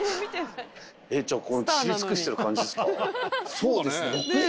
そうですね。